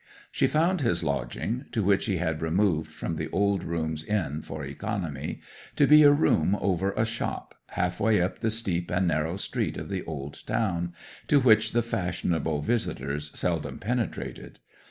She found his lodging (to which he had removed from the Old Rooms inn for economy) to be a room over a shop, half way up the steep and narrow street of the old town, to which the fashionable visitors seldom penetrated.